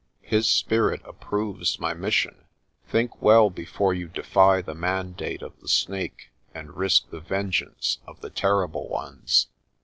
His spirit approves my mission. Think well before you defy the mandate of the Snake and risk the vengeance of the Terrible Ones."